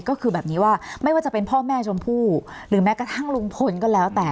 ก็คือแบบนี้ว่าไม่ว่าจะเป็นพ่อแม่ชมพู่หรือแม้กระทั่งลุงพลก็แล้วแต่